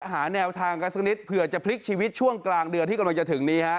หาแนวทางกันสักนิดเผื่อจะพลิกชีวิตช่วงกลางเดือนที่กำลังจะถึงนี้ฮะ